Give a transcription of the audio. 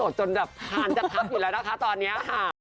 โอ้ยสดจนแบบพานจับคลับอีกแล้วนะคะตอนนี้